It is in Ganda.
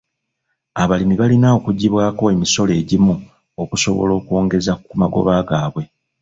Abalimi balina okuggyibwako emisoso egimu okusobola okwongeza ku magoba gaabwe.